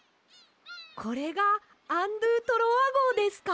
これがアン・ドゥ・トロワごうですか？